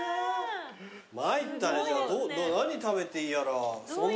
参ったね何食べていいやら。